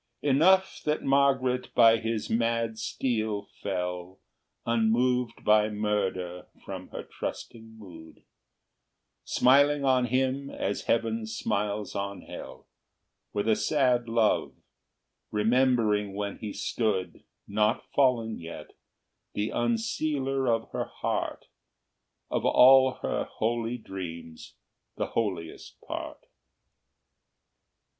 Enough that Margaret by his mad steel fell, Unmoved by murder from her trusting mood, Smiling on him as Heaven smiles on Hell, With a sad love, remembering when he stood Not fallen yet, the unsealer of her heart, Of all her holy dreams the holiest part.